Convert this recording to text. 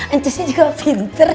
ancusnya juga pinter